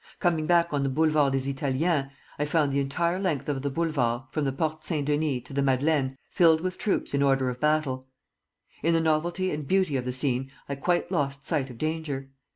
Coming back on the Boulevard des Italiens, I found the entire length of the Boulevards, from the Porte Saint Denis to the Madeleine, filled with troops in order of battle. In the novelty and beauty of the scene I quite lost sight of danger.